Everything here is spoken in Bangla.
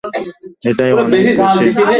এটাই অনেক বেশি।